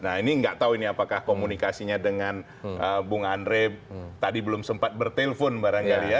nah ini nggak tahu ini apakah komunikasinya dengan bung andre tadi belum sempat bertelpon barangkali ya